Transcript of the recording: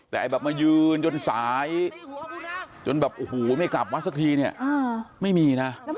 แต่แบบมายืนจนสายจนแบบโอ้โหไม่กลับวัดสักทีเนี่ยไม่มีนะ